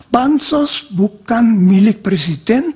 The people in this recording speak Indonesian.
bansos bukan milik presiden